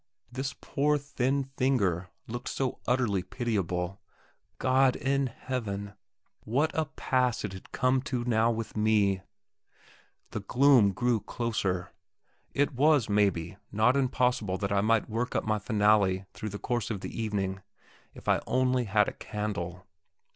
This poor thin finger looked so utterly pitiable. God in Heaven! what a pass it had come to now with me! The gloom grew closer. It was, maybe, not impossible that I might work up my finale through the course of the evening, if I only had a candle.